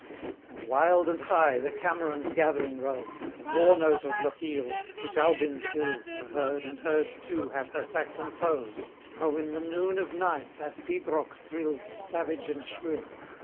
And wild and high the 'Cameron's gathering' rose, The war note of Lochiel, which Albyn's hills Have heard, and heard, too, have her Saxon foes: How in the noon of night that pibroch thrills Savage and shrill!